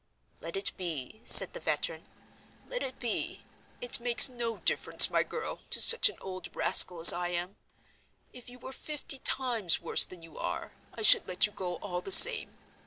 "Let it be," said the veteran; "let it be! It makes no difference, my girl, to such an old rascal as I am. If you were fifty times worse than you are, I should let you go all the same.